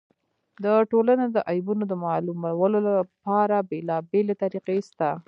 د ټولني د عیبونو د معلومولو له پاره بېلابېلې طریقي سته.